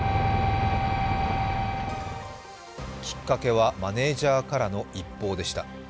きっかけはマネージャーからの一報でした。